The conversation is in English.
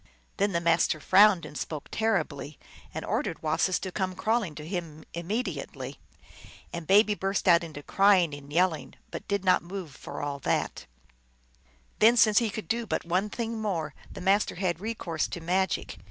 Then the Master frowned and spoke terribly, and ordered Wasis to come crawling to him immediately. And Baby burst out into crying and yelling, but did not move for all that. Then, since he could do but one thing more, the Master had recourse to magic.